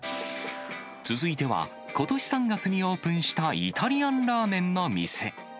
続いては、ことし３月にオープンしたイタリアンラーメンの店。